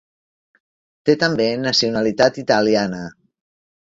Té també nacionalitat italiana.